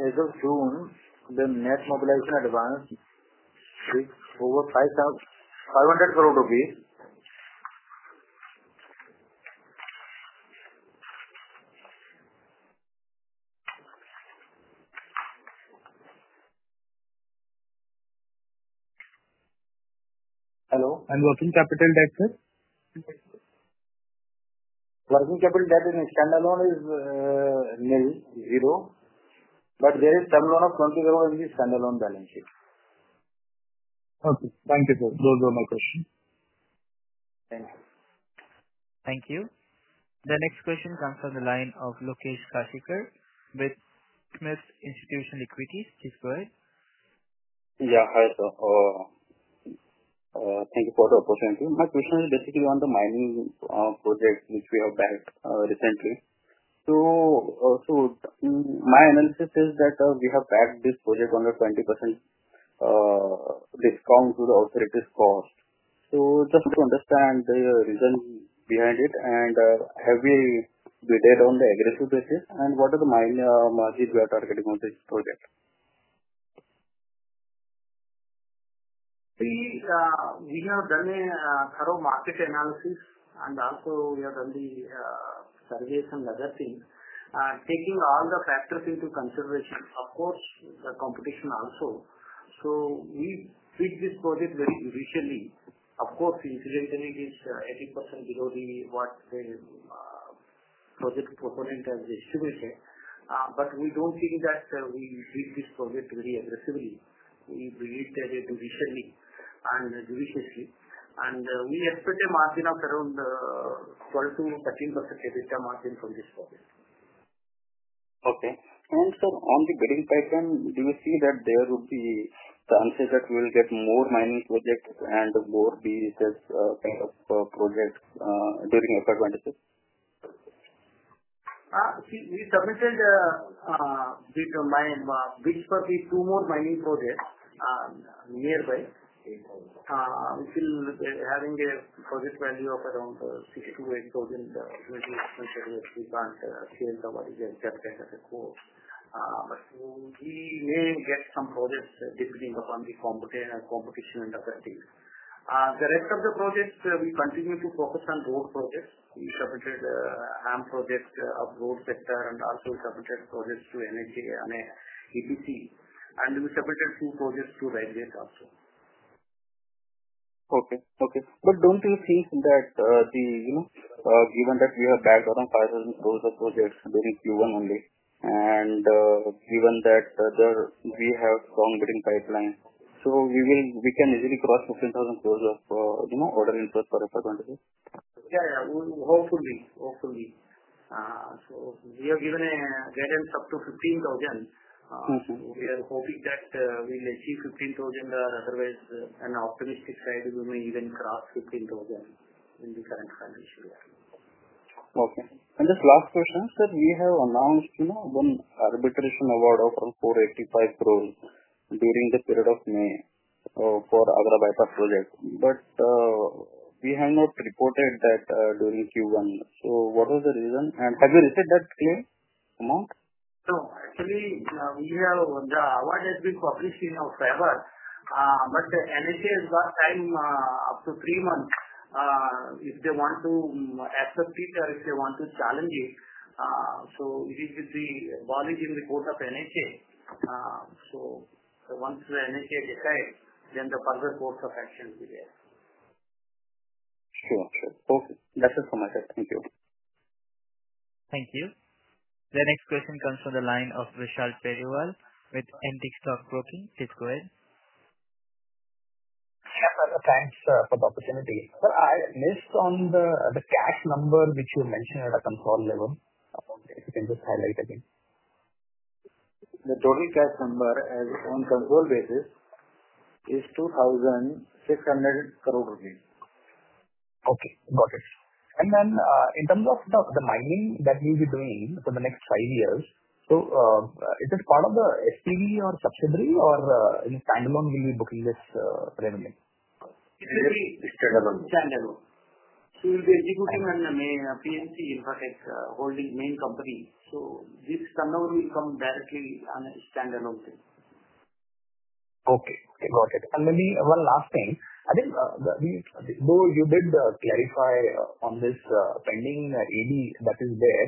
As of June, the net mobilization advance reached 4,500 crore rupees. Hello, working capital debt, sir? Working capital debt in standalone is nearly zero, but there is some loan of 20 crore in the standalone balance sheet. Okay. Thank you, sir. Those were my questions. Thank you. Thank you. The next question comes from the line of Lokesh Piplodiya with Smith Institution Equities. Please go ahead. Yeah. Hi, sir. Thank you for the opportunity. My question is basically on the mining projects which we have bagged recently. My analysis is that we have bagged this project under 20% discount to the authorities' call. I just want to understand the reason behind it. Have we bid it on an aggressive basis, and what are the margins we are targeting on this project? We have done a thorough market analysis. We have also done the surveys and other things, taking all the factors into consideration, including the competition. We bid this project very judicially. We didn't make it 80% below what the project procurement has estimated. We don't think that we bid this project very aggressively. We bid it very judicially and judiciously, and we expect a margin of around 14% or 13% margin from this project. Okay. Sir, on the bidding pipeline, do you see that there would be chances that we will get more mining projects and more BESS projects during FY 2022? See, we targeted these mining projects for the two more mining projects nearby. We see we are having a project value of around 32,000 crore in as much as we can sell the margin CapEx as a core. We may get some projects depending upon the competition and other things. The rest of the projects, we continue to focus on road projects. We targeted HAM projects of road sector and also targeted projects to NHAI and EPC. We targeted two projects to railways also. Okay. Don't you see that, you know, given that we have backed around 5,000 crore of projects during Q1 only, and given that we have strong bidding pipeline, we can easily cross 15,000 crore of order input for FY 2022? Yeah. Hopefully. We have given a guidance up to 15,000. We are hoping that we may see 15,000. Otherwise, on the optimistic side, we may even cross 15,000 in the current financial year. Okay. The last question is that we have announced an arbitration award of around 485 crore during the period of May for our Vipass project. We have not reported that during Q1. What was the reason? Have you received that claim amount? We have the award has been published in our favor. NHAI has time up to three months if they want to accept it or if they want to challenge it. It is with the knowledge in the court of NHAI. Once the NHAI decides, then the further course of action will be. Okay, that is my thought. Thank you. Thank you. The next question comes from the line of Rishabh Agarwal with [Nuvama Institutional Equities]. Please go ahead. Hello. Thanks for the opportunity. Sir, I missed on the cash number which you mentioned at a control level. If you can just highlight again. The total cash number on a control basis is 2,600 crore rupees. Okay. Got it. In terms of the mining that we'll be doing for the next five years, is it part of the SPV or subsidiary or in standalone we'll be booking this revenue? It will be standalone. Standalone. See, we'll be booking on PNC Infra Holdings, main company. This turnover will come directly on a standalone basis. Okay. Okay. Got it. Maybe one last thing. I think though you did clarify on this pending EB, what is there,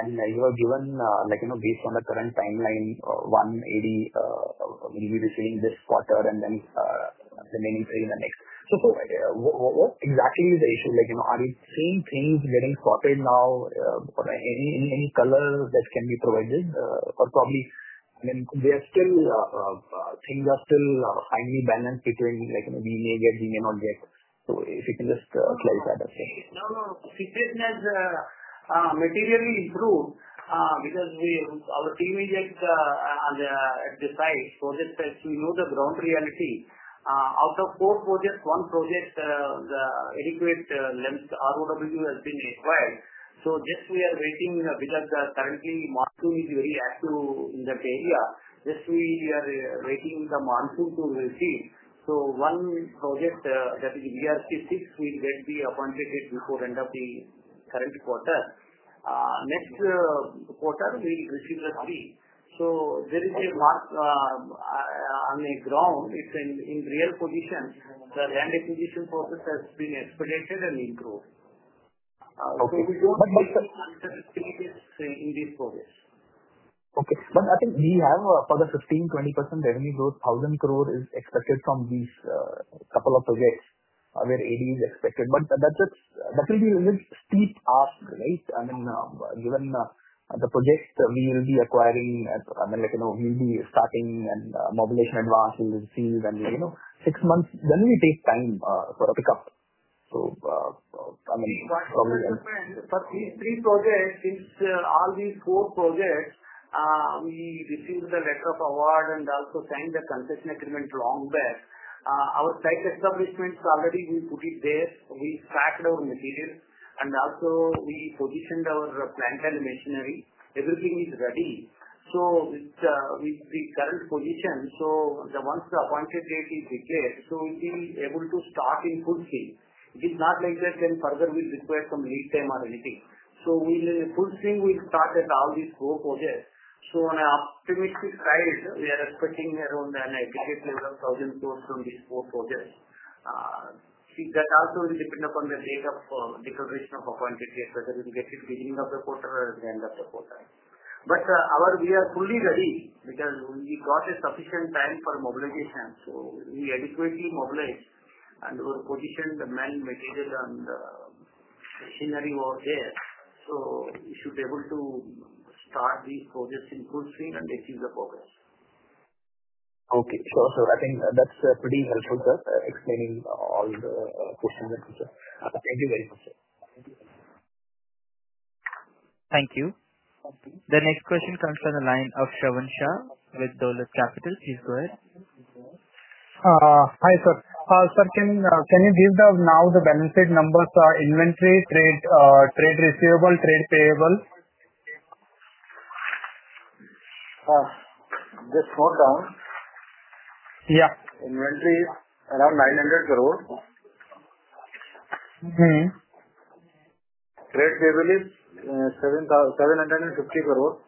and you have given a note based on the current timeline, one EB will be receiving this quarter and then the main phase in the next. What exactly is the issue? Like, you know, are you seeing things getting sorted now in any color that can be provided? Probably, I mean, there are still things that are still highly balanced between like a DNA getting and not getting. If you can just clarify that. This has materially improved because our team is at the site project. We know the ground reality. Out of four projects, one project, the adequate length ROW has been required. Yes, we are waiting because currently, monsoon is very active in that area. We are waiting for the monsoon to be received. One project, that is ERP6, will get the appointed date before end of the current quarter. Next quarter, we'll receive the value. There is a mark on the ground. It's in real conditions. The land acquisition process has been expedited and improved. Okay. We don't see any changes in these projects. Okay. I think we have a further 15-20% revenue growth. 1,000 crore is expected from these couple of projects where EBITDA is expected. That's it. We'll be a little bit asked, right? I mean, given the projects we will be acquiring, like you know, we'll be starting and mobilization advance will be received in six months. When will it take time for a pickup? I mean. First, three projects, since all these four projects, we received the Venture Up award and also signed the construction agreement long back. Our site establishments already we've put it there. We fracked our material, and also, we positioned our plant and the machinery. Everything is ready. With the current position, the ones that are appointed date is request. We'll be able to start in Q3. It is not like I said further we'll request some extra money or anything. In Q3, we'll start at all these four projects. On an optimistic side, we are expecting around an additional 1,000 crore from these four projects. That also will depend upon the date of declaration of appointed dates, whether we'll get it beginning of the quarter or the end of the quarter. We are fully ready because we got a sufficient time for mobilization. We adequately mobilized and positioned the man-made material and the machinery over there. We should be able to start these projects in Q3 and achieve the progress. Okay. Sir, I think that's pretty helpful, sir, explaining all the questions, sir. Thank you very much, sir. Thank you. Thank you. The next question comes from the line of Shravan Shah with Dolat Capital. Please go ahead. Hi, sir. Sir, can you give the now the balance sheet numbers for inventory, trade receivable, trade payable? Just note down. Yeah. Inventory is around 900 crore. Trade payable is 750 crore.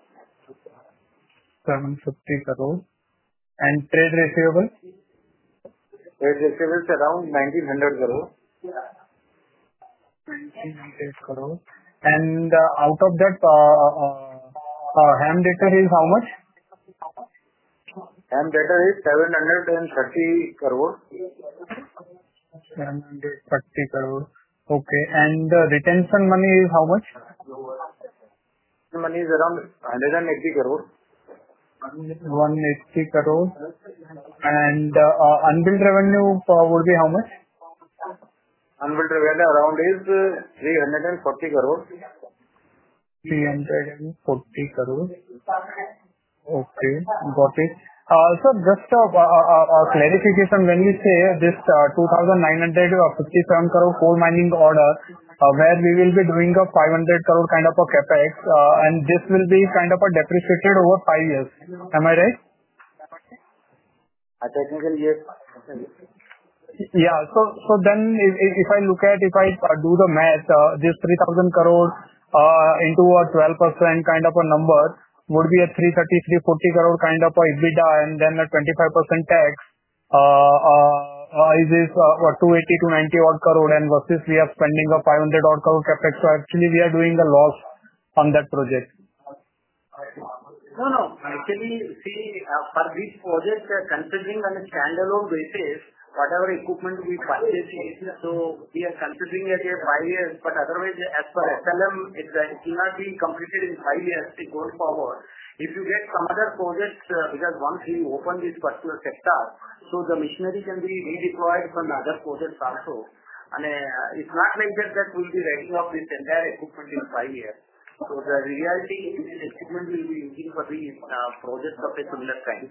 750 crore. Trade receivable? Trade receivable is around 1,900 crore. INR 1,900 crore. Out of that, HAM debtor is how much? HAM debtor is 730 crore. 730 crore. Okay. The retention money is how much? Retention money is around 180 crore. 180 crore. Unbilled revenue would be how much? Unbilled revenue is around 340 crore. 340 crore. Okay. Got it. Sir, just a clarification. When you say this 2,950 crore coal mining order, where we will be doing an 500 crore kind of a CapEx, and this will be kind of depreciated over five years. Am I right? I think it's a year. Yeah. If I look at, if I do the math, this 3,000 crore into a 12% kind of a number would be a 330, 340 crore kind of EBITDA, and then a 25% tax is this 280-290 odd crore. Versus we are spending a 500 odd crore capex. Actually, we are doing a loss on that project. No, no. Actually, see, for this project, considering on a standalone basis, whatever equipment we purchase, we are subsidizing at five years. Otherwise, as per FLM, it cannot be completed in five years to go forward. If you get some other projects, because once you open this particular sector, the machinery can be redeployed from the other projects also. It's not like that we will be ready with the entire equipment in five years. The reality is it's going to be using for three projects of a similar kind.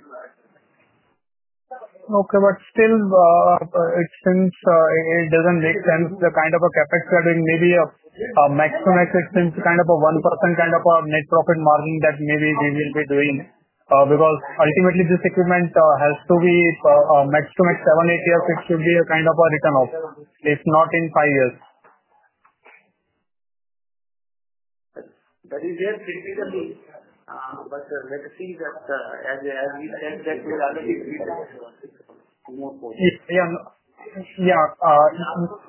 Okay. It doesn't make sense, the kind of a CapEx that maybe a maximum expense, kind of a 1% net profit margin that maybe we will be doing. Ultimately, this equipment has to be maximum seven, eight years. It should be a kind of a return of, if not in five years. That is your critical base. As we said, we'll analyze resources. Yeah,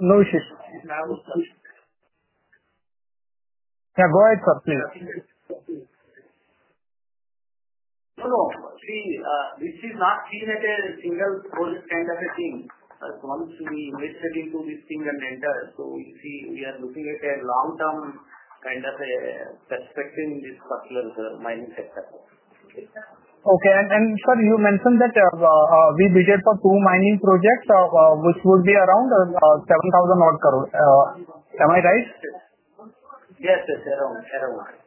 no issues. Go ahead, sir. Please. This is not seen as a single project kind of a thing. Once we invested into this thing and enter, we are looking at a long-term kind of a construction in this particular mining sector. Okay. Sir, you mentioned that we bid for two mining projects, which would be around 7,000 crore. Am I right? Yes, yes, yes, yes, yes, yes, yes.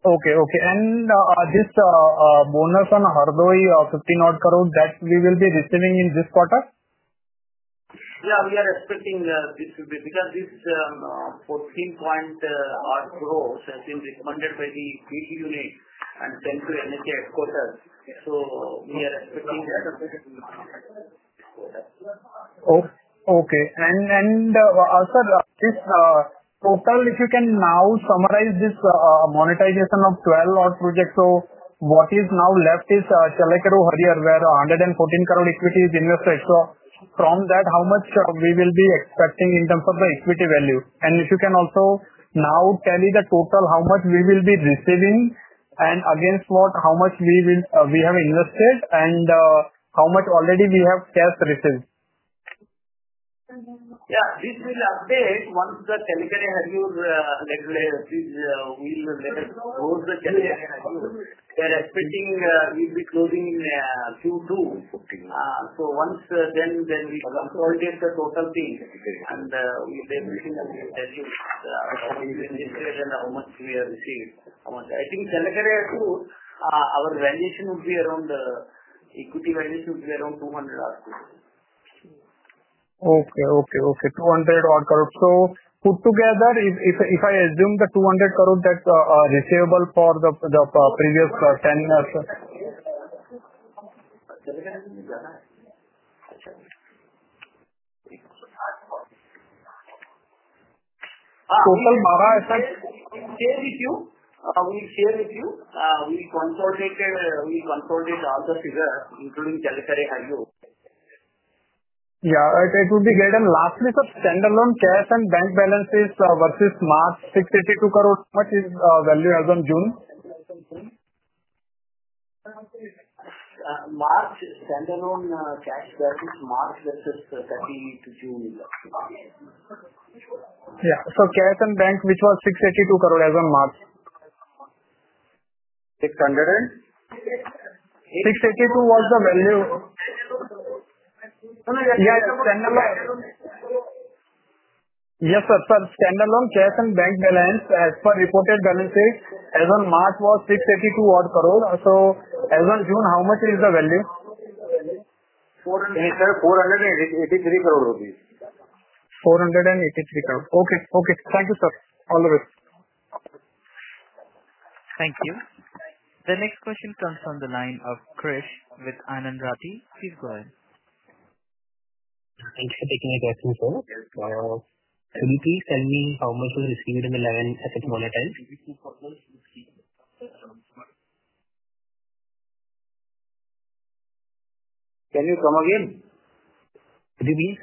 Okay. Okay. Is this bonus on the highway, INR 50 crore odd, that we will be receiving in this quarter? Yeah, we are expecting this will be because this 14.8 crore has been recommended by the PEA and sent to NHAI headquarters. We are expecting. Okay. Sir, if you can now summarize this monetization of 12 odd projects, what is now left is Talluri Rao Harrier, where 114 crore equity is invested. From that, how much will we be expecting in terms of the equity value? If you can also now tell me the total, how much we will be receiving and against what, how much we have invested, and how much already we have cash received? Yeah. This will be updated once the Telecaro Harrier is, we will let us know. Telecaro Harrier, we are expecting we will be closing in Q2. Once we cross all against the total thing, we will tell you how much we will increase and how much we have received. I think Telecaro Harrier, our equity valuation will be around 200 crore. Okay. 200 odd crores. Put together, if I assume the 200 crores, that's a receivable for the previous 10? Sir, I will share with you, we confronted all the figures, including Talluri Rao here. Yeah. Could I be guided, last week of standalone cash and bank balances versus March INR 682 crore, how much is value as on June? March standalone cash versus March versus 30 to June. Yeah, cash and bank, which was 682 crore as on March? 600? 682 was the value. Yeah. Standalone. Yes, sir. Standalone cash and bank balance as per reported balances, as on March was INR 682 crore. As on June, how much is the value? 483. Okay. Okay. Thank you, sir. All the best. Thank you. The next question comes from the line of Krish with Anand Rathi. Please go ahead. Thanks for taking the question, sir. Can you please tell me how much was received in the 11 assets monetized? Can you come again? Please,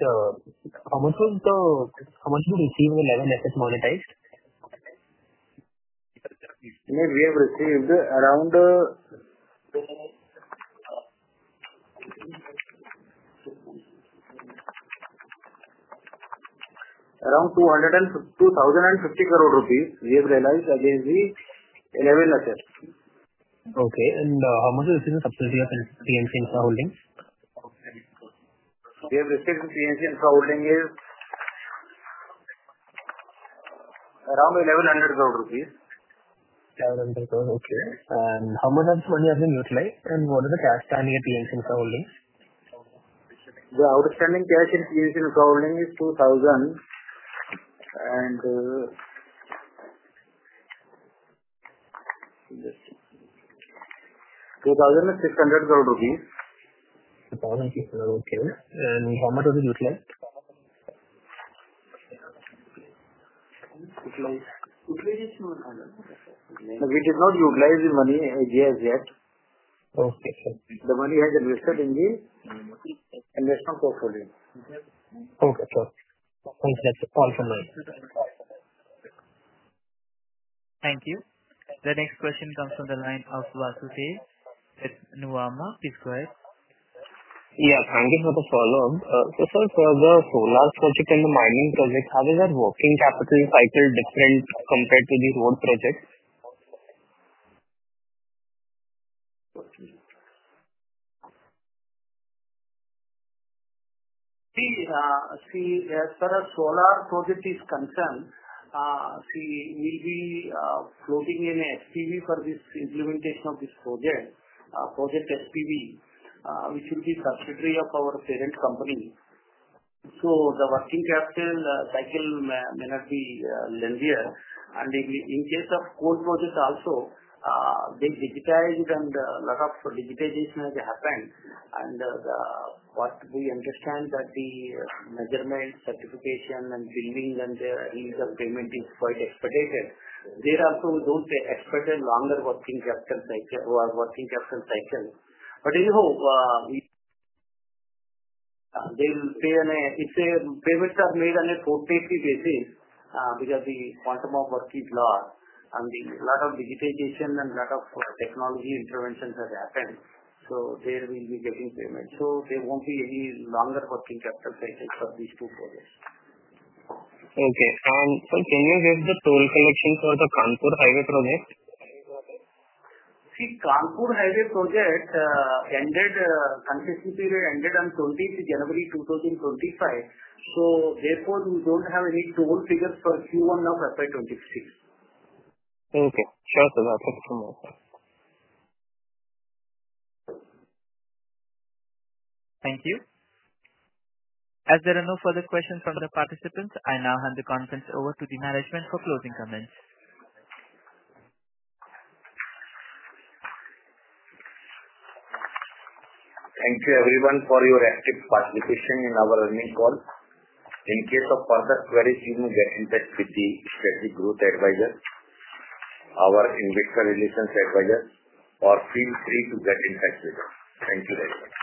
how much was the receivable 11 assets monetized? We have received around INR 250 million and INR 5 billion we have realized against the 11 assets. Okay. How much was the subsidy against 11? Infra Holdings. Yes, the sales in PNC Infra Holdings is around 1,100,000. Rupees? Okay. How much has money has been used? What is the cash standing in PNC Infra Holdings? The outstanding cash in PNC Infra Holdings is 2,000 million. 2,000? 2,600,000. INR 2,600. Okay. How much has been utilized? It was. It was utilized? We did not utilize the money as yet. Okay. The money has been withdrawn in the investor portfolio. Okay. So. On session. All for now. Thank you. The next question comes from the line of Vasudhey. It's Nuwama. Please go ahead. Thank you for the follow-up. For the solar project and the mining project, how is that working capital cycle different compared to the road projects? See, as far as the solar project is concerned, we will be floating an SPV for this implementation of this project, Project SPV, which is the subsidiary of our parent company. The working capital and the cycle may not be linear. In case of coal projects also, being digitized and a lot of digitization has happened. What we understand is that the measurement, certification, billing, and the payment is quite expedited. There are some loans that expanded longer working capital cycles. They will pay and it's a payment that may run on a 48-day basis because the quantum of work is large. A lot of digitization and a lot of technology interventions have happened. They will be giving payment. There won't be any longer working capital cycle for these two projects. Okay. Sir, can you give the total collection for the Kanpur Highway project? See, Kanpur Highway project, the completion period ended on January 20, 2025. Therefore, we don't have any total figures for Q1 FY 2026. Okay. Sure. Thank you so much. Thank you. As there are no further questions from the participants, I now hand the conference over to the management for closing comments. Thank you, everyone, for your active participation in our earnings call. In case of further queries, you may get in touch with the Strategy Growth Advisor, our Investor Relations Advisor, or feel free to get in touch with us. Thank you, everyone.